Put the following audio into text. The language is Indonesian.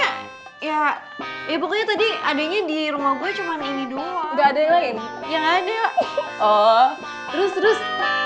ya iya pokoknya tadi adeknya di rumah gue cuman ini doang nggak ada yang lain ya nggak ada oh terus terus